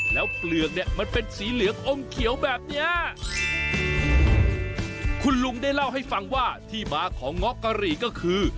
แล้วเปลือกเนี่ยมันเป็นสีเหลืองอมเขียวแบบเนี้ยคุณลุงได้เล่าให้ฟังว่าที่มาของเงาะกะหรี่ก็คือ